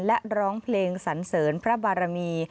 และร้องเพลงสันเสริญพระบารมี